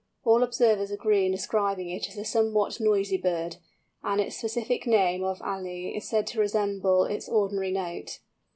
All observers agree in describing it as a somewhat noisy bird, and its specific name of alle is said to resemble its ordinary note.